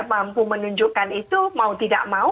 mampu menunjukkan itu mau tidak mau